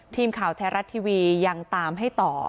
ทีมข่าวไทยรัฐทีวียังตามให้ต่อ